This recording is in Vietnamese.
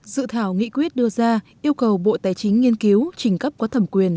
dự thảo nghị quyết đưa ra yêu cầu bộ tài chính nghiên cứu trình cấp có thẩm quyền